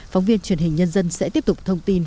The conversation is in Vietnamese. phóng viên truyền hình nhân dân sẽ tiếp tục thông tin